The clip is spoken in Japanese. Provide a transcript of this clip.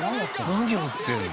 何やってんの？